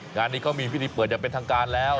งานนี้เขามีพิธีเปิดอย่างเป็นทางการแล้ว